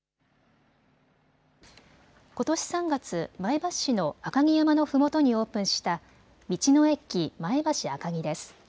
ことし３月、前橋市の赤城山のふもとにオープンした道の駅まえばし赤城です。